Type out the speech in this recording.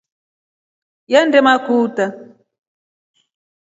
Yande makuta.